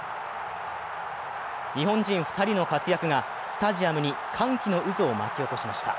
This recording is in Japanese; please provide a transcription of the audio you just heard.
日本人２人の活躍がスタジアムに歓喜の渦を巻き起こしました。